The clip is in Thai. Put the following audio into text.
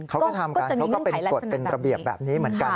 เขาก็ทำกันเขาก็เป็นกฎเป็นระเบียบแบบนี้เหมือนกัน